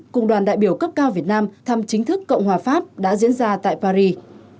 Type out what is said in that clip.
cùng đoàn đại biểu cấp cao việt nam thăm chính thức cộng hòa pháp đã diễn ra tại paris